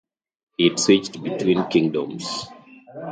It switched between kingdoms.